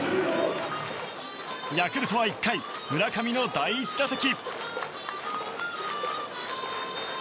ヤクルトは１回村上の第１打席。